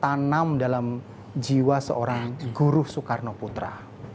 tanam dalam jiwa seorang guru soekarno putra